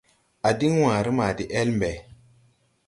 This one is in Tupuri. A diŋ wããre ma de el mbe.